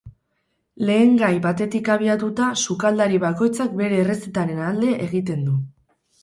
Lehengai batetik abiatuta, sukaldari bakoitzak bere errezetaren alde egiten du.